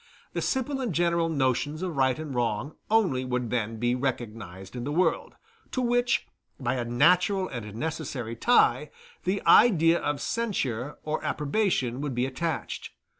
The simple and general notions of right and wrong only would then be recognized in the world, to which, by a natural and necessary tie, the idea of censure or approbation would be attached.